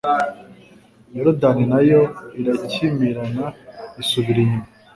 Yorudani na yo irakimirana isubira inyuma